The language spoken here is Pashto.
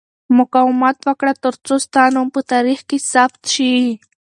مقاومت وکړه ترڅو ستا نوم په تاریخ کې ثبت شي.